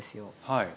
はい。